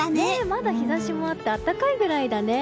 まだ日差しもあって暖かいぐらいだね。